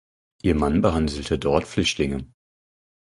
Ihr Mann behandelte dort Flüchtlinge.